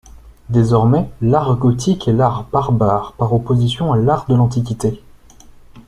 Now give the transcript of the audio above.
Désormais, l’art gothique est l’art barbare par opposition à l’art de l’Antiquité.